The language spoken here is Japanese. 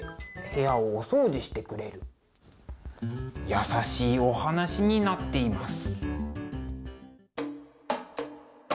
優しいお話になっています。